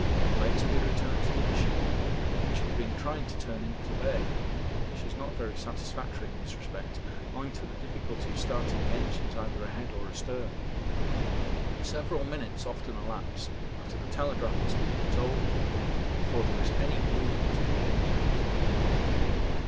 Later we returned to the ship, which had been trying to turn in the bay she is not very satisfactory in this respect owing to the difficulty of starting the engines either ahead or astern several minutes often elapse after the telegraph has been put over before there is any movement of the engines.